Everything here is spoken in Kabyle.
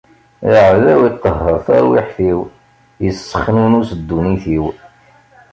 Aɛdaw iqehher tarwiḥt-iw, issexnunes ddunit-iw.